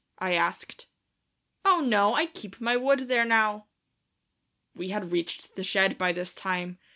I asked. "Oh, no; I keep my wood there now." We had reached the shed by this time.